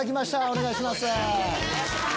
お願いします。